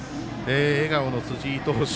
笑顔の辻井投手。